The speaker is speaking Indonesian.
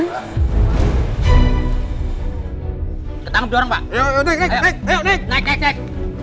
kita tangkap dua orang pak